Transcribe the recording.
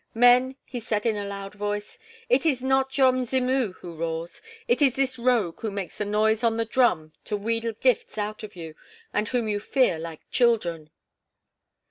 "Men!" he said in a loud voice, "it is not your Mzimu who roars; it is this rogue who makes the noise on the drum to wheedle gifts out of you, and whom you fear like children!"